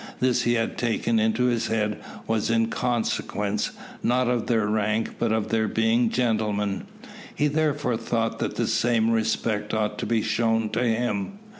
This he had taken into his head was in consequence, not of their rank, but of their being gentlemen. He therefore thought that the same respect ought to be shown to him.